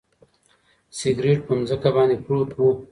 سګرټ په ځمکه باندې پروت و.